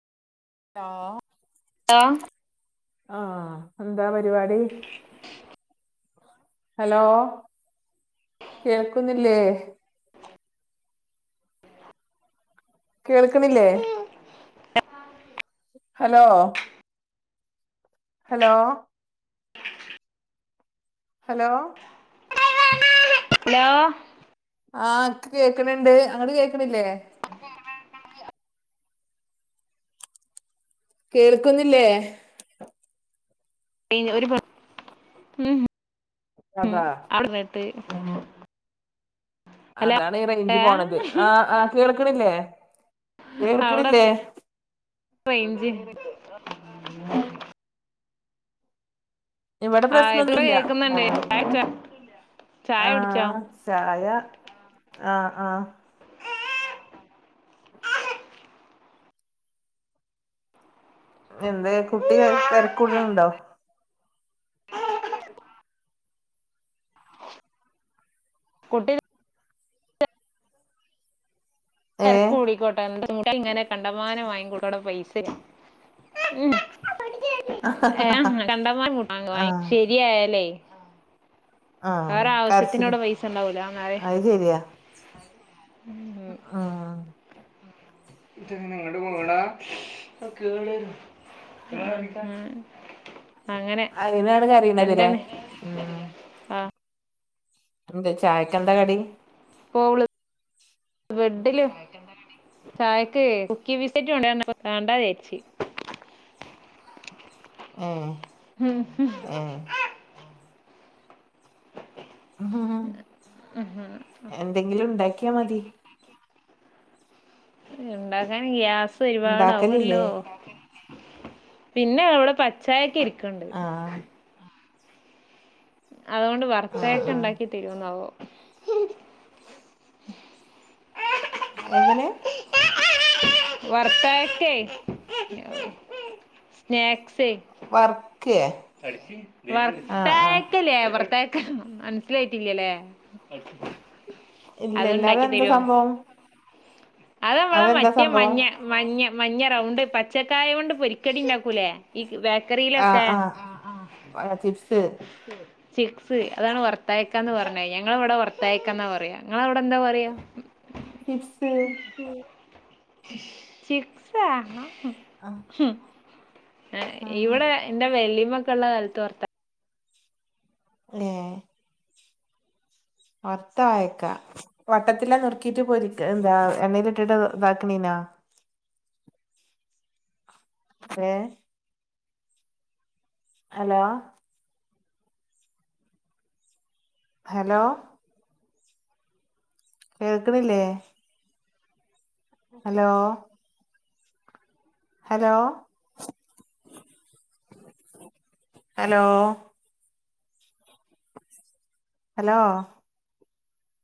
[unintelligible] Hello- ആഹ് എന്താ പരിപാടി- ഹലോ കേൾക്കുന്നില്ലേ? കേൾക്ക്ണില്ലേ? ഹലോ ഹലോ- ഹലോ ഹലോ- ആഹ് കേക്കണ് ണ്ട് അങ്ങട് കേക്കണില്ലേ? [inaudible] കേൾക്കുന്നില്ലേ? അയ്ന് ഒര് [inaudible] ഉം അതാ- [unintelligible] ഹലോ അതാണ് ഈ ഏ റേഞ്ച് പോണത് ആഹ് ആഹ് കേൾക്കണില്ലേ- അവടെ കേൾക്കണില്ലേ റേഞ്ച് [inaudible] ഇവടെ ആ ഇപ്പൊ പ്രശ്നൊന്നുയില്ല കേക്കുന്നുണ്ട് ചായ കുടിച്ചോ? ചായ കുടിച്ചോ ആഹ് - ചായ ആഹ് ആഹ് - എന്തേ കുട്ടി തെരക്കൂട്ണ് ണ്ടോ? കുട്ടി- തെരക്ക് ഏഹ് കൂടിക്കോട്ടെ എനിക്കങ്ങനെ കണ്ടമാനം വാങ്ങിക്കുട്ടാൻ പൈസ ഇല്ല - [unintelligible] ആഹ് ശരിയായാലേ- ആഹ് വേറെ കരച്ചില് ആവശ്യത്തിനോട് പൈസ ഉണ്ടാവൂല എന്നാറേ അത് ശരിയാ- ആഹ് - ഇത് നിങ്ങടെ മോളാ കേള്- [unintelligible] അതിനാണ് കരിയണതില്ലേ ഉം- ആ എന്ത് ചായക്കെന്താ കടി- പോള് ബെഡില്- ചായക്കേ കുക്കി വിസ്കറ്റും ഉണ്ടാര് കണ്ടാ ചേച്ചി - ആഹ് - [unintelligible] ആഹ് - ഉം [inaudible] എന്തെങ്കിലും ഉണ്ടാക്കിയാ മതി- ഉണ്ടാക്കാന് ഗ്യാസ് ഉണ്ടാക്കലില്ലേ ഒരുപാടാവ്വല്ലോ? പിന്നെ അവിടെ പച്ചായൊക്കെ ഇരിക്കണ്ട്- ആഹ് അതുകൊണ്ട് ആഹ് വർത്തയൊക്കെ ആഹ് ഒണ്ടാക്കി- തിരുവന്നാവോ- എങ്ങനെ- വർത്തായിട്ടേ- സ്നാക്സെ- വർക്യേ- വർത്തായിട്ട്ലെ വെർതേ- മനസ്സിലായിട്ടില്ലല്ലേ ഇല്ലല്ല അത്ണ്ടാക്കി അതെന്താ തരും - സംഭവം അത നമ്മളെ അതെന്താ മറ്റേ സംഭവം മഞ്ഞ- മഞ്ഞ മഞ്ഞറൗണ്ട് പച്ചക്കായ കൊണ്ട് പൊരിക്കടി ഇണ്ടാക്കൂലേ ഈ ബേ ആഹ് ക്കറിലൊക്കെ- ആഹ് ചിപ്സ് ചിക്സ് അതാണ് വർത്തയക്കാ എന്ന് പറഞ്ഞ ഞങ്ങള ഇവിടെ വർത്തയക്ക എന്നാ പറയാ നിങ്ങളവിടെ എന്താ പറയാ- പ്പ്സ് ചിപ്സ് ചിപ്സ് ആണോ ആഹ് ഉം ആഹ് ഇവിടെ എന്റെ വെല്യമ്മ ഒക്കെ ഉള്ള കാലത്ത് വർത്ത ങേ വർത്ത അയേക്ക വട്ടത്തില്ലാന്നുർക്കീയിട്ട് പോരിക്ക എന്താ എണ്ണയില ഇട്ടിട്ട് ഇതാക്കണീനാ ഏഹ് ഹലോ ഹലോ കേൾക്ക്ണില്ലേ? Hello hello hello hello